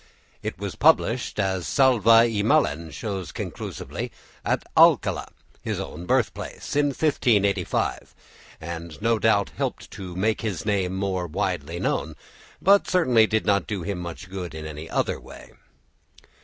It was published, as Salva y Mallen shows conclusively, at Alcala, his own birth place, in 1585 and no doubt helped to make his name more widely known, but certainly did not do him much good in any other way.